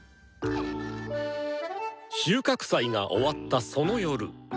収穫祭が終わったその夜。